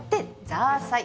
ザーサイ。